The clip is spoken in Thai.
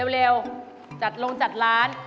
เร็วจัดลงจัดร้าน